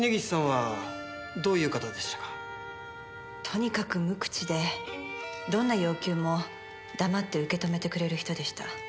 とにかく無口でどんな要求も黙って受け止めてくれる人でした。